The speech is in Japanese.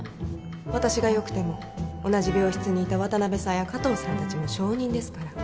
私がよくても同じ病室にいた渡辺さんや加藤さん達も証人です